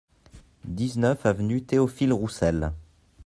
dix-neuf avenue Théophile Roussel